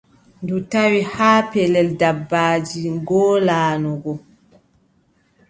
Ndu tawi haa pellel dabbaaji ngoolaano go,